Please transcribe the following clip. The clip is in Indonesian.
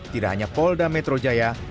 tidak hanya polda metro jaya